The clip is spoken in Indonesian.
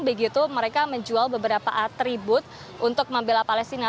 begitu mereka menjual beberapa atribut untuk membela palestina